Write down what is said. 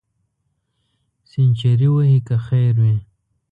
سینچري وهې که خیر وي.